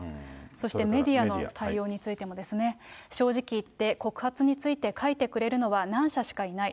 そして、メディアの対応についてもですね。正直言って、告発について書いてくれるのは何社しかいない。